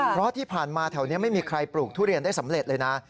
เพราะที่ผ่านมาแถวนี้ไม่มีใครปลูกทุเรียนได้สำเร็จเลยนะ